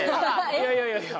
いやいやいやいや。